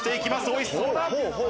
おいしそうだ。